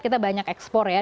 kita banyak ekspor ya